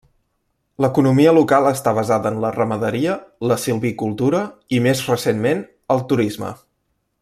L'economia local està basada en la ramaderia, la silvicultura i, més recentment, el turisme.